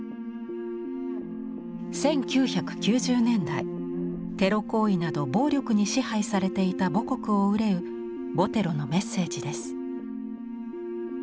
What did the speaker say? １９９０年代テロ行為など暴力に支配されていた母国を憂うボテロのメッセージです。